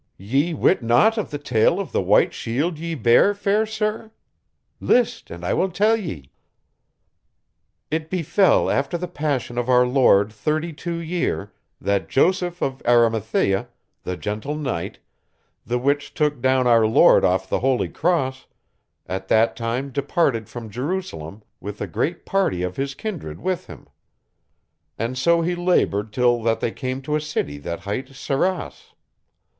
"Ye wit naught of the tale of the white shield ye bear, fair sir? List, and I will tell ye: "It befell after the passion of our Lord thirty two year, that Joseph of Arimathea, the gentle knight, the which took down our Lord off the holy Cross, at that time departed from Jerusalem with a great party of his kindred with him. And so he labored till that they came to a city that hight Sarras.